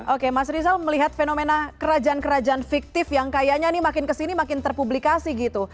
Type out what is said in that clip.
oke mas rizal melihat fenomena kerajaan kerajaan fiktif yang kayaknya ini makin kesini makin terpublikasi gitu